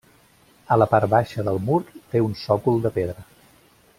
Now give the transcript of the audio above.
A la part baixa del mur té un sòcol de pedra.